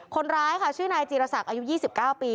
คนร้ายค่ะชื่อนายจีรศักดิ์อายุ๒๙ปี